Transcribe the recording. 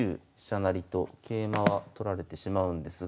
成と桂馬は取られてしまうんですが。